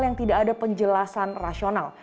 yang tidak ada penjelasan rasional